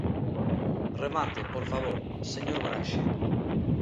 Remate, por favor, señor Braxe.